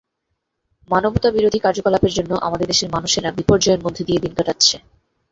মানবতাবিরোধী কার্যকলাপের জন্য আমাদের দেশের মানুষেরা বিপর্যয়ের মধ্য দিয়ে দিন কাটাচ্ছে।